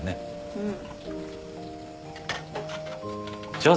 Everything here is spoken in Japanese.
うん。